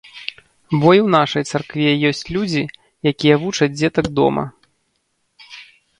Бо і ў нашай царкве ёсць людзі, якія вучаць дзетак дома.